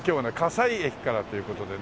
西駅からという事でね